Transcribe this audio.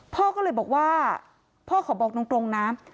พ่อก็เลยบอกว่าพ่อขอบอกตรงนะ